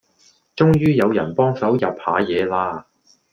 終於有人幫手入下野啦